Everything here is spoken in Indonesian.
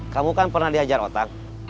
kamu kan pernah dihajar otak